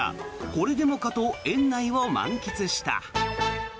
これでもかと園内を満喫した。